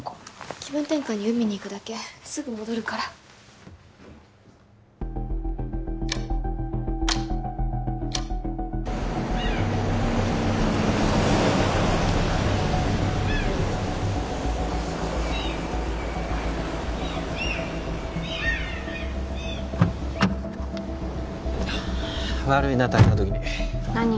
気分転換に海に行くだけすぐ戻るから悪いな大変な時に何？